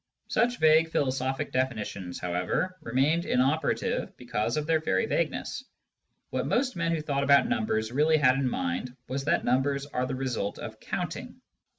Such vague philosophic definitions, however, remained inoperative because of their very vagueness. What most men who thought about numbers really had in mind was that numbers are the result of counting.